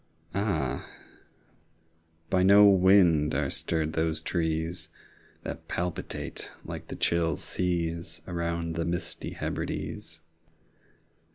Ah, by no wind are stirred those trees That palpitate like the chill seas 15 Around the misty Hebrides!